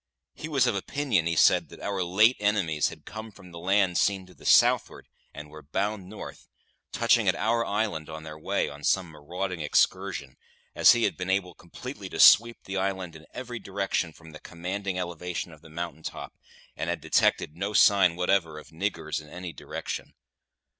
He was of opinion, he said, that our late enemies had come from the land seen to the southward and were bound north, touching at our island on their way, on some marauding excursion, as he had been able completely to sweep the island in every direction from the commanding elevation of the mountain top, and had detected no sign whatever of "niggers" in any direction.